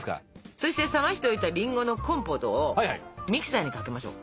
そして冷ましておいたりんごのコンポートをミキサーにかけましょう。